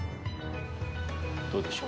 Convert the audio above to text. どうでしょう？